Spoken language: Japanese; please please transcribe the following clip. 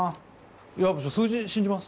いや数字信じます。